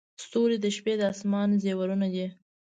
• ستوري د شپې د اسمان زیورونه دي.